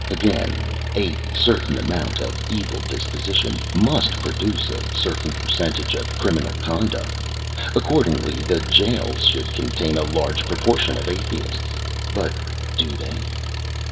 Again, a certain amount of evil disposition must produce a certain percentage of criminal conduct. Accordingly the gaols should contain a large proportion of Atheists. But do they?